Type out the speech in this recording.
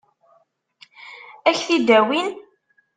Ad k-t-id-awin?